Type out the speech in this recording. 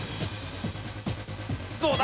どうだ？